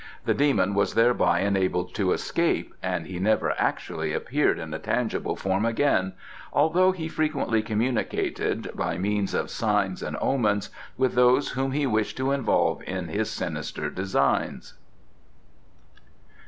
The demon was thereby enabled to escape, and he never actually appeared in a tangible form again, although he frequently communicated, by means of signs and omens, with those whom he wished to involve in his sinister designs.